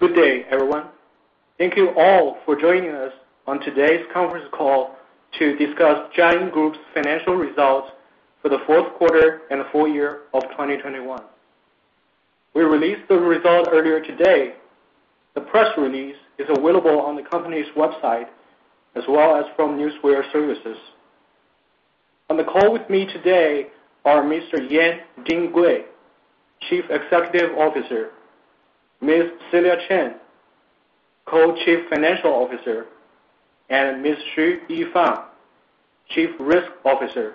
Good day, everyone. Thank you all for joining us on today's conference call to discuss Jiayin Group's financial results for the fourth quarter and full year of 2021. We released the results earlier today. The press release is available on the company's website, as well as from Newswire Services. On the call with me today are Mr. Yan Dinggui, Chief Executive Officer, Ms. Celia Chen, Co-Chief Financial Officer, and Ms. Xu Yifang, Chief Risk Officer.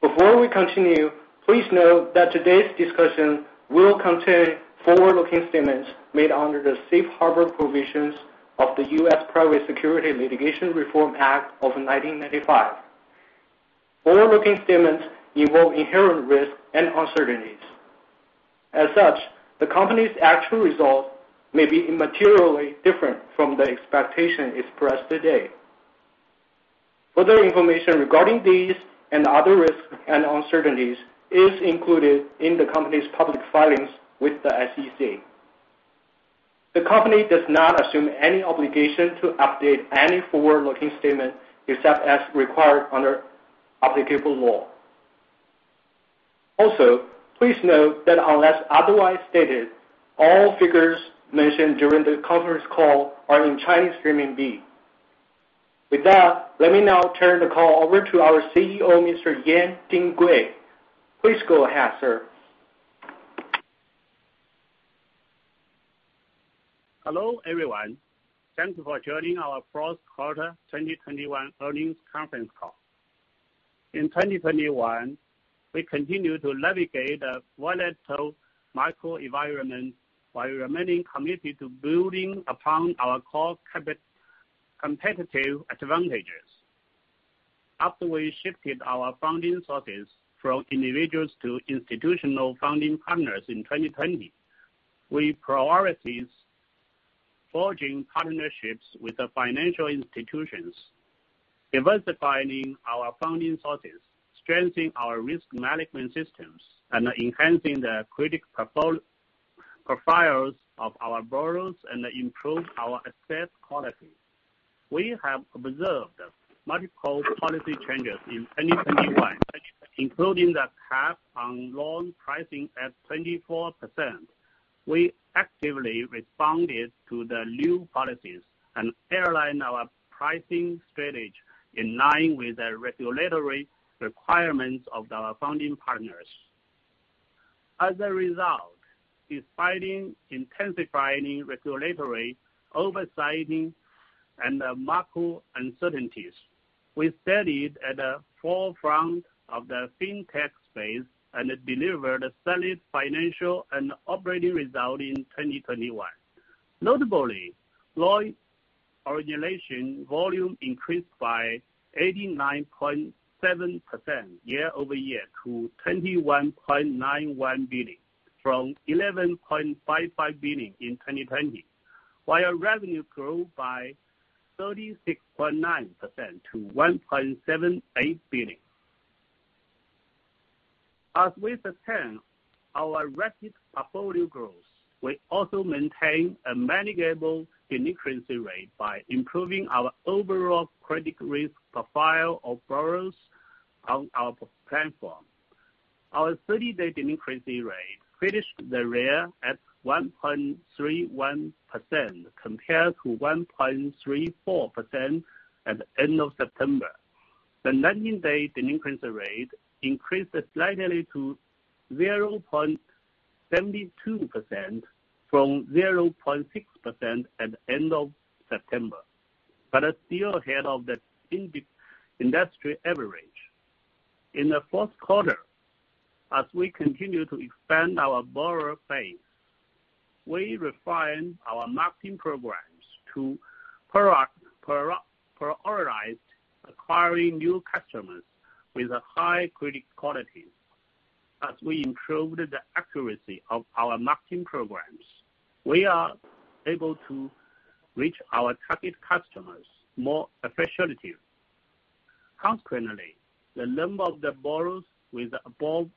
Before we continue, please note that today's discussion will contain forward-looking statements made under the Safe Harbor Provisions of the U.S. Private Securities Litigation Reform Act of 1995. Forward-looking statements involve inherent risks and uncertainties. As such, the company's actual results may be materially different from the expectations expressed today. Further information regarding these and other risks and uncertainties is included in the company's public filings with the SEC. The company does not assume any obligation to update any forward-looking statement, except as required under applicable law. Also, please note that unless otherwise stated, all figures mentioned during the conference call are in Chinese renminbi. With that, let me now turn the call over to our CEO, Mr. Yan Dinggui. Please go ahead, sir. Hello, everyone. Thanks for joining our fourth quarter 2021 earnings conference call. In 2021, we continued to navigate a volatile macro environment while remaining committed to building upon our core competitive advantages. After we shifted our funding sources from individuals to institutional funding partners in 2020, we prioritized forging partnerships with the financial institutions, diversifying our funding sources, strengthening our risk management systems, and enhancing the credit profiles of our borrowers and improve our asset quality. We have observed multiple policy changes in 2021, including the cap on loan pricing at 24%. We actively responded to the new policies and aligned our pricing strategy in line with the regulatory requirements of our funding partners. As a result, despite intensifying regulatory oversight and macro uncertainties, we stayed at the forefront of the fintech space and delivered a solid financial and operating result in 2021. Notably, loan origination volume increased by 89.7% year-over-year to 21.91 billion, from 11.55 billion in 2020. Revenue grew by 36.9% to CNY 1.78 billion. As we sustain our rapid portfolio growth, we also maintain a manageable delinquency rate by improving our overall credit risk profile of borrowers on our platform. Our 30-day delinquency rate finished the year at 1.31% compared to 1.34% at the end of September. The 90-day delinquency rate increased slightly to 0.72% from 0.6% at the end of September, but is still ahead of the industry average. In the fourth quarter, as we continue to expand our borrower base, we refined our marketing programs to prioritize acquiring new customers with a high credit quality. As we improved the accuracy of our marketing programs, we are able to reach our target customers more efficiently. Consequently, the number of the borrowers with above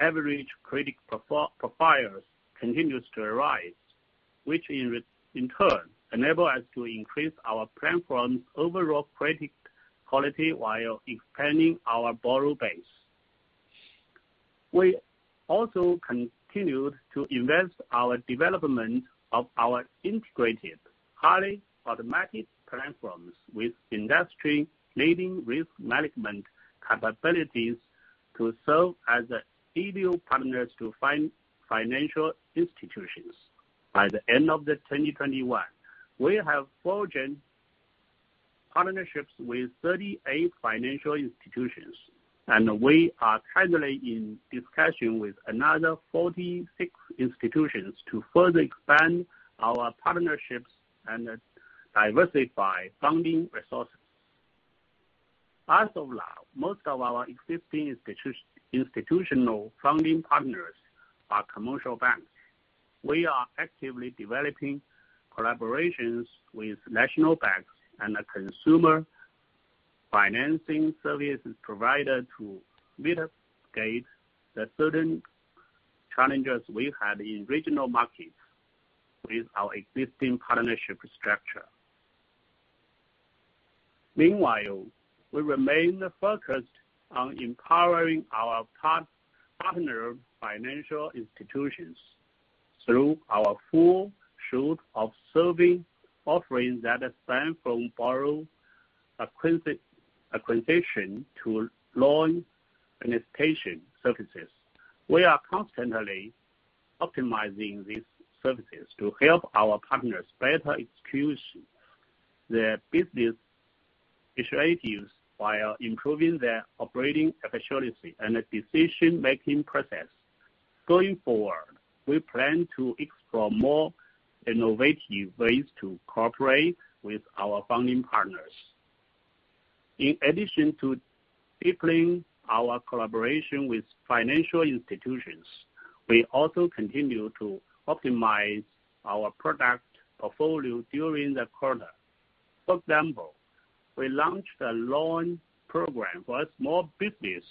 average credit profiles continues to rise, which in turn enable us to increase our platform's overall credit quality while expanding our borrower base. We also continued to invest in the development of our integrated, highly automatic platforms with industry-leading risk management capabilities to serve as ideal partners to financial institutions. By the end of 2021, we have forged partnerships with 38 financial institutions, and we are currently in discussion with another 46 institutions to further expand our partnerships and diversify funding resources. As of now, most of our existing institutional funding partners are commercial banks. We are actively developing collaborations with national banks and consumer financing services provided to mitigate the certain challenges we had in regional markets with our existing partnership structure. Meanwhile, we remain focused on empowering our partner financial institutions through our full suite of service offerings that span from borrower acquisition to loan administration services. We are constantly optimizing these services to help our partners better execute their business initiatives while improving their operating efficiency and decision-making process. Going forward, we plan to explore more innovative ways to cooperate with our funding partners. In addition to deepening our collaboration with financial institutions, we also continue to optimize our product portfolio during the quarter. For example, we launched a loan program for small business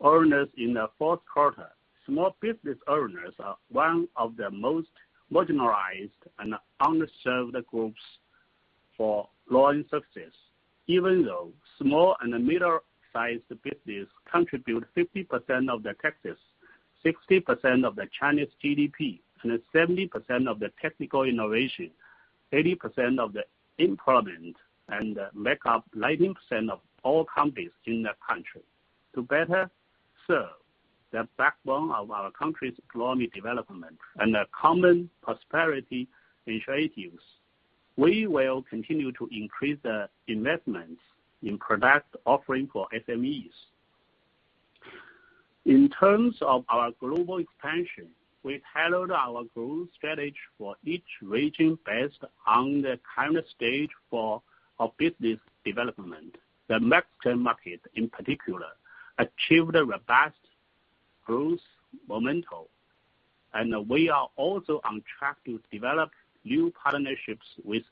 owners in the fourth quarter. Small business owners are one of the most marginalized and underserved groups for loan success. Even though small and middle-sized business contribute 50% of the taxes, 60% of the Chinese GDP, and 70% of the technical innovation, 80% of the employment, and make up 90% of all companies in the country. To better serve the backbone of our country's economic development and the common prosperity initiatives, we will continue to increase the investments in product offering for SMEs. In terms of our global expansion, we tailored our growth strategy for each region based on the current stage for our business development. The Mexican market, in particular, achieved a robust growth momentum, and we are also on track to develop new partnerships with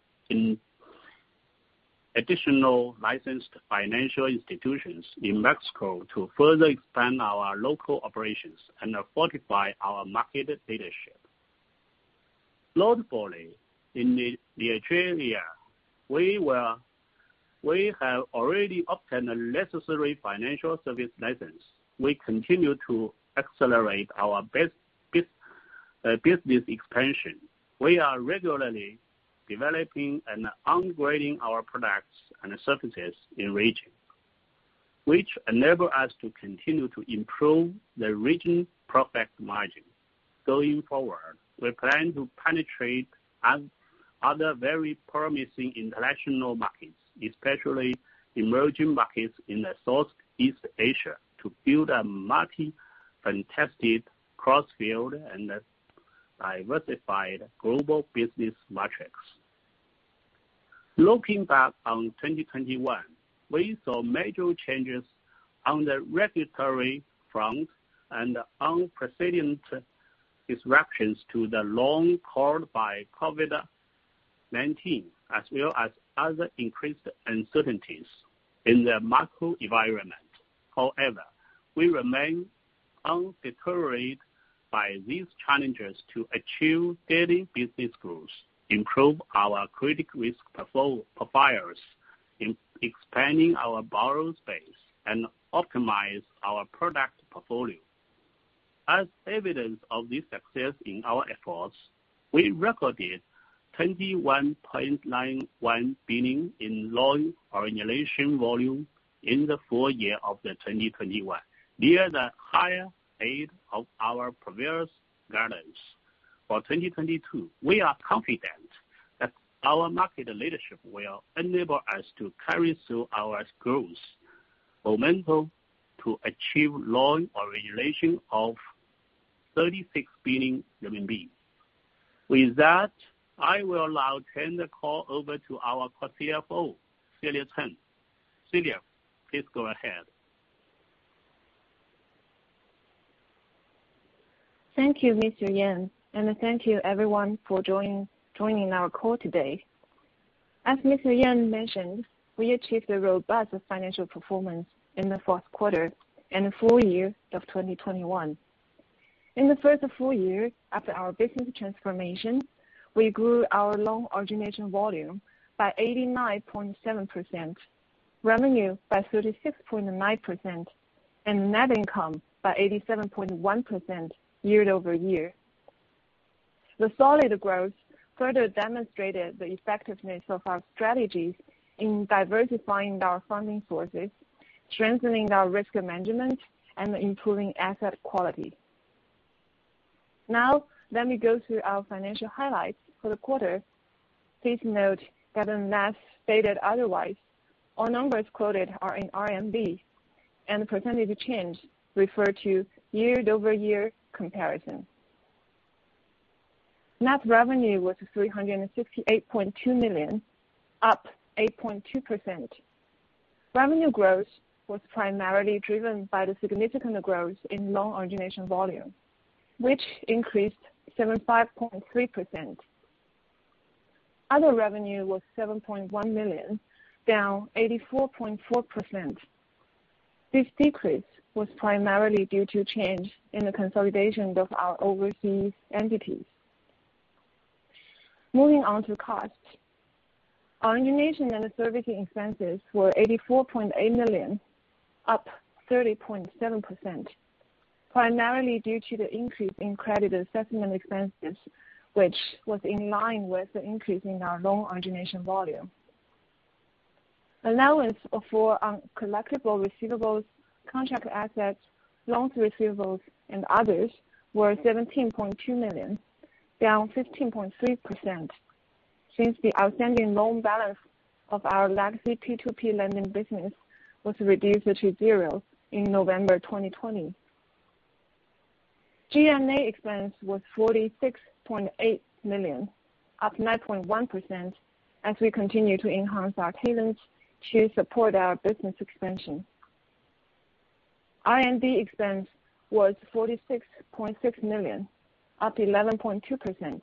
additional licensed financial institutions in Mexico to further expand our local operations and fortify our market leadership. Notably, in Australia, we have already obtained the necessary financial service license. We continue to accelerate our business expansion. We are regularly developing and upgrading our products and services in the region, which enable us to continue to improve the region's profit margin. Going forward, we plan to penetrate other very promising international markets, especially emerging markets in Southeast Asia, to build a multifaceted, crossfield, and diversified global business matrix. Looking back on 2021, we saw major changes on the regulatory front and unprecedented disruptions to the loan caused by COVID-19, as well as other increased uncertainties in the macro environment. However, we remain undeterred by these challenges to achieve steady business growth, improve our credit risk profiles, in expanding our borrower base, and optimize our product portfolio. As evidence of this success in our efforts, we recorded 21.91 billion in loan origination volume in the full year of 2021, near the higher end of our previous guidance. For 2022, we are confident that our market leadership will enable us to carry through our growth momentum to achieve loan origination of 36 billion RMB. With that, I will now turn the call over to our CFO, Celia Chen. Celia, please go ahead. Thank you, Mr. Yan, and thank you everyone for joining our call today. As Mr. Yan mentioned, we achieved a robust financial performance in the fourth quarter and full year of 2021. In the first full year after our business transformation, we grew our loan origination volume by 89.7%, revenue by 36.9%, and net income by 87.1% year-over-year. The solid growth further demonstrated the effectiveness of our strategies in diversifying our funding sources, strengthening our risk management, and improving asset quality. Now, let me go through our financial highlights for the quarter. Please note that unless stated otherwise, all numbers quoted are in RMB, and the percentage change refer to year-over-year comparison. Net revenue was 368.2 million, up 8.2%. Revenue growth was primarily driven by the significant growth in loan origination volume, which increased 75.3%. Other revenue was 7.1 million, down 84.4%. This decrease was primarily due to change in the consolidation of our overseas entities. Moving on to costs. Origination and servicing expenses were 84.8 million, up 30.7%, primarily due to the increase in credit assessment expenses, which was in line with the increase in our loan origination volume. Allowance for uncollectible receivables, contract assets, loans receivables and others were 17.2 million, down 15.3% since the outstanding loan balance of our legacy P2P lending business was reduced to zero in November 2020. G&A expense was 46.8 million, up 9.1% as we continue to enhance our talents to support our business expansion. R&D expense was 46.6 million, up 11.2%.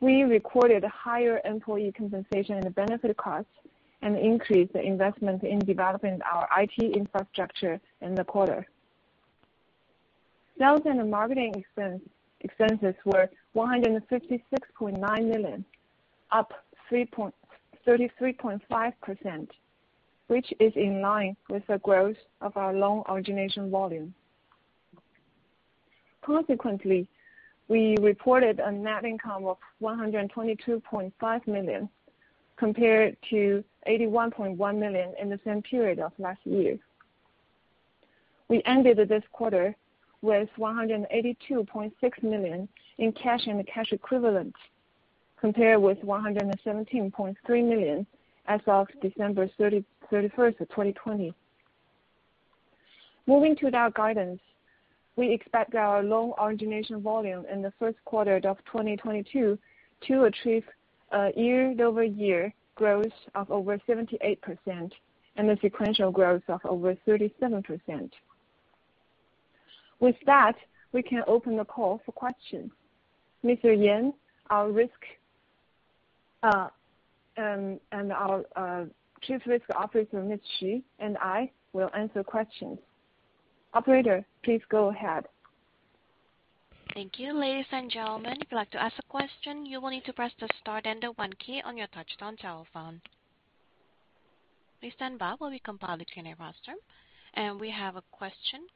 We recorded higher employee compensation and benefit costs and increased the investment in developing our IT infrastructure in the quarter. Sales and marketing expenses were 156.9 million, up 33.5%, which is in line with the growth of our loan origination volume. Consequently, we reported a net income of 122.5 million, compared to 81.1 million in the same period of last year. We ended this quarter with 182.6 million in cash and cash equivalents, compared with 117.3 million as of December 31, 2020. Moving to our guidance. We expect our loan origination volume in the first quarter of 2022 to achieve a year-over-year growth of over 78% and a sequential growth of over 37%. With that, we can open the call for questions. Mr. Yan Dinggui, our Chief Risk Officer, Ms. Xu Yifang, and I will answer questions. Operator, please go ahead. Thank you. We have a question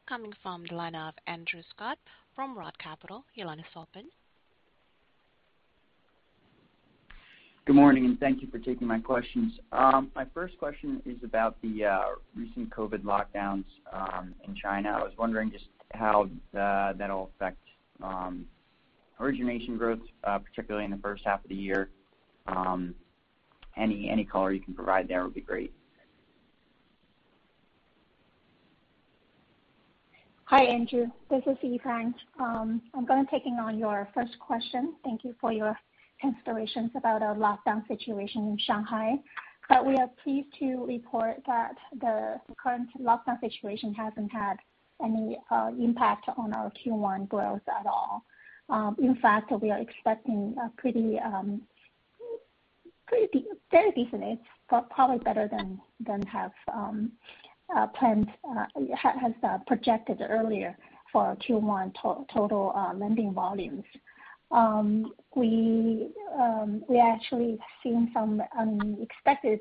coming from the line of Andrew Scutt from ROTH Capital. Your line is open. Good morning, and thank you for taking my questions. My first question is about the recent COVID lockdowns in China. I was wondering just how that'll affect origination growth, particularly in the first half of the year. Any color you can provide there would be great. Hi, Andrew. This is Yifang. I'm gonna take on your first question. Thank you for your considerations about our lockdown situation in Shanghai. We are pleased to report that the current lockdown situation hasn't had any impact on our Q1 growth at all. In fact, we are expecting very decent, but probably better than projected earlier for Q1 total lending volumes. We actually have seen some unexpected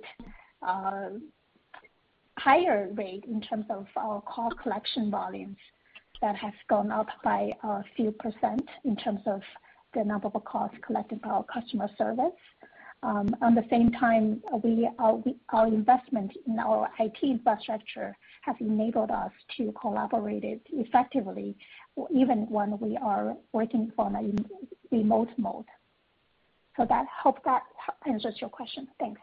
higher rate in terms of our call collection volumes that has gone up by a few percent in terms of the number of calls collected by our customer service. At the same time, our investment in our IT infrastructure has enabled us to collaborate effectively even when we are working from a remote mode. Hope that answers your question. Thanks.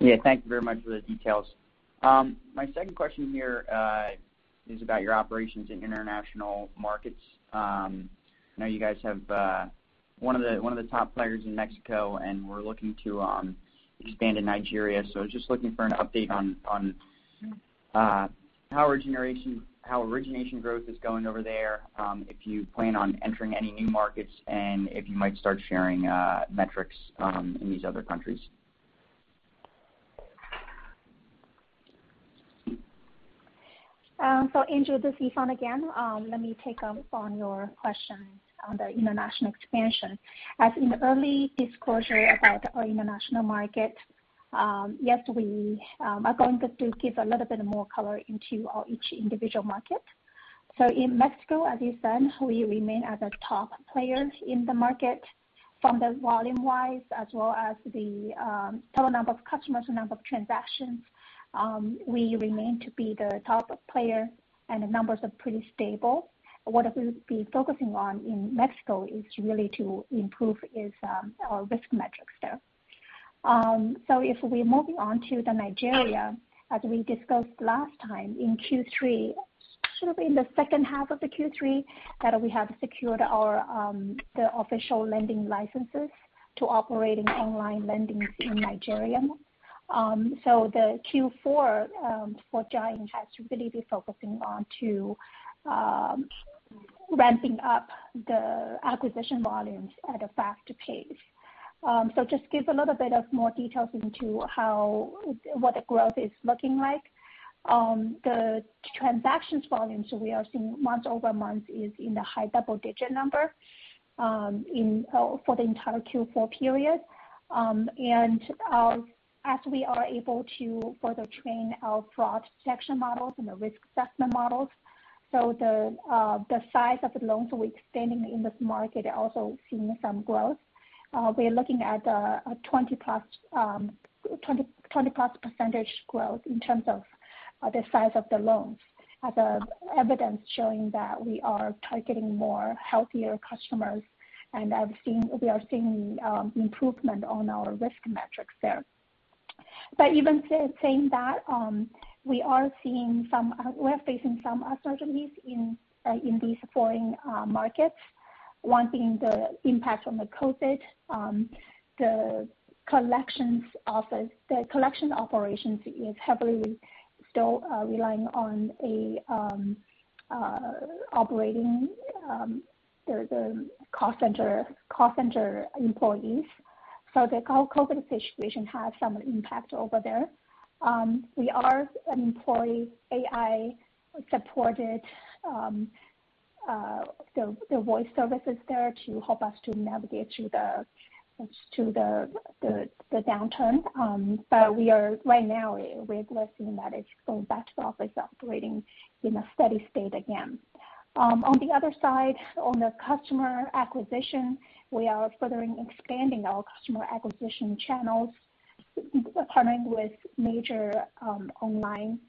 Yeah. Thank you very much for the details. My second question here is about your operations in international markets. I know you guys have one of the top players in Mexico, and you're looking to expand in Nigeria. I was just looking for an update on how origination growth is going over there, if you plan on entering any new markets, and if you might start sharing metrics in these other countries. Andrew, this is Yifang again. Let me take on your questions on the international expansion. As in early disclosure about our international market, yes, we are going to give a little bit more color into our each individual market. In Mexico, as you said, we remain as a top player in the market from the volume-wise as well as the total number of customers, the number of transactions. We remain to be the top player, and the numbers are pretty stable. What we'll be focusing on in Mexico is really to improve our risk metrics there. If we're moving on to Nigeria, as we discussed last time in Q3, should be in the second half of Q3 that we have secured the official lending licenses to operate in online lending in Nigeria. The Q4 for Jiayin has really been focusing on to ramping up the acquisition volumes at a faster pace. Just give a little bit more details into what the growth is looking like. The transaction volumes we are seeing month-over-month is in the high double digit number in for the entire Q4 period. As we are able to further train our fraud detection models and the risk assessment models, the size of the loans we're extending in this market are also seeing some growth. We are looking at a 20+ percentage growth in terms of the size of the loans as evidence showing that we are targeting more healthier customers. We are seeing improvement on our risk metrics there. Even saying that, we are facing some uncertainties in these foreign markets. One being the impact from the COVID, the collections office. The collection operations is still heavily relying on the call center employees. The whole COVID situation has some impact over there. We are employing AI-supported voice services there to help us to navigate through the downturn. We are right now seeing that it's going back to office operating in a steady state again. On the other side, on the customer acquisition, we are further expanding our customer acquisition channels, partnering with major online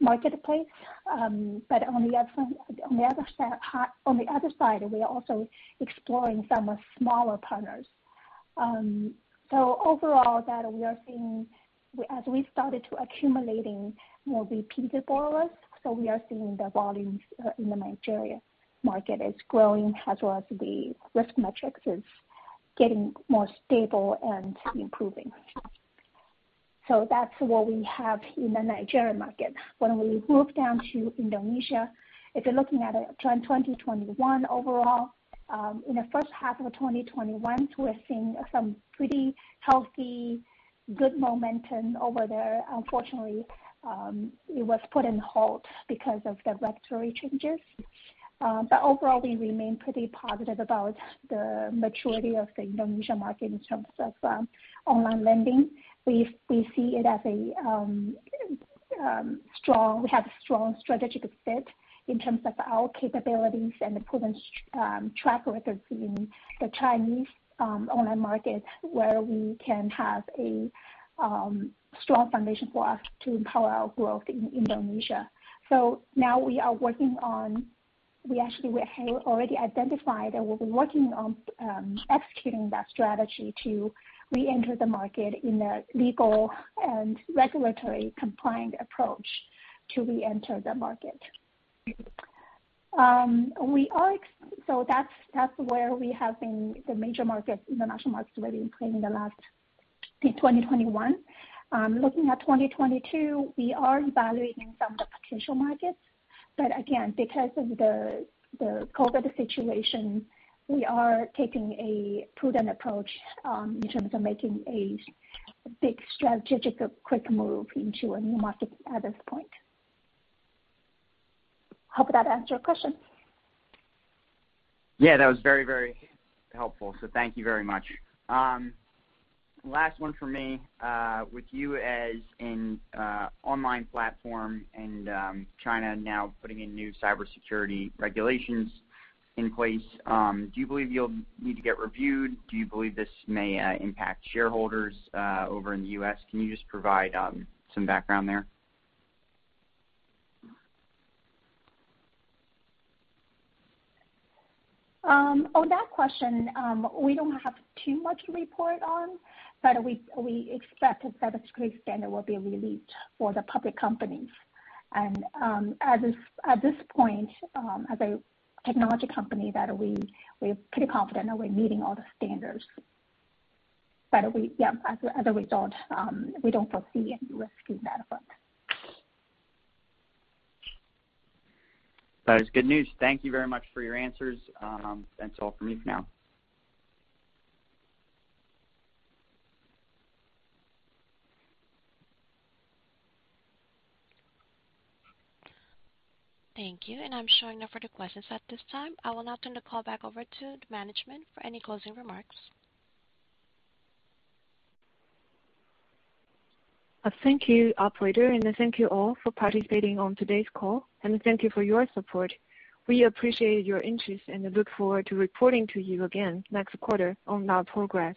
marketplace. On the other side, we are also exploring some smaller partners. Overall that we are seeing as we started to accumulating more repeatable risk, so we are seeing the volumes in the Nigeria market is growing as well as the risk metrics is getting more stable and improving. That's what we have in the Nigeria market. When we move down to Indonesia, if you're looking at it 2021 overall, in the first half of 2021, we're seeing some pretty healthy, good momentum over there. Unfortunately, it was put in halt because of the regulatory changes. Overall we remain pretty positive about the maturity of the Indonesia market in terms of online lending. We see it as a strong. We have a strong strategic fit in terms of our capabilities and proven track records in the Chinese online market where we can have a strong foundation for us to empower our growth in Indonesia. Now we actually have already identified and we'll be working on executing that strategy to reenter the market in a legal and regulatory compliant approach to reenter the market. That's where we have been in the major markets, international markets we've been playing. The last in 2021. Looking at 2022, we are evaluating some of the potential markets. Again, because of the COVID situation, we are taking a prudent approach in terms of making a big strategic quick move into a new market at this point. Hope that answered your question. Yeah, that was very, very helpful, so thank you very much. Last one for me. With you as an online platform and China now putting in new cybersecurity regulations in place, do you believe you'll need to get reviewed? Do you believe this may impact shareholders over in the U.S.? Can you just provide some background there? On that question, we don't have too much to report on, but we expect a cybersecurity standard will be released for the public companies. At this point, as a technology company, we're pretty confident that we're meeting all the standards. We, yeah, as a result, we don't foresee any risk in that front. That is good news. Thank you very much for your answers. That's all from me for now. Thank you. I'm showing no further questions at this time. I will now turn the call back over to management for any closing remarks. Thank you, operator, and thank you all for participating on today's call, and thank you for your support. We appreciate your interest and look forward to reporting to you again next quarter on our progress.